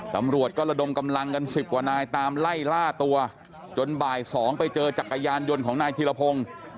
ตำรวจก็ระดมกำลังกัน๑๐กว่านายตามไล่ล่าตัวจนบ่าย๒ไปเจอจักรยานยนต์ของนายธีรพงศ์